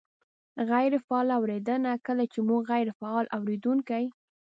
-غیرې فعاله اورېدنه : کله چې مونږ غیرې فعال اورېدونکي